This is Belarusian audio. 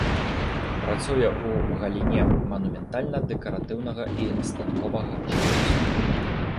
Працуе ў галіне манументальна-дэкаратыўнага і станковага жывапісу.